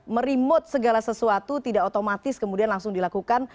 merimot segala sesuatu tidak otomatis kemudian langsung dilakukan